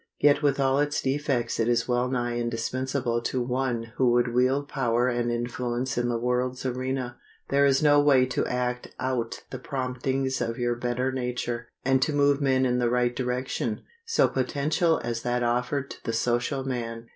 Yet with all its defects it is well nigh indispensable to one who would wield power and influence in the world's arena. There is no way to act out the promptings of your better nature, and to move men in the right direction, so potential as that offered to the social man.